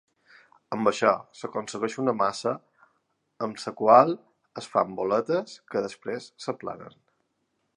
Amb això s'aconsegueix una massa amb la qual es fan boletes que després s'aplanen.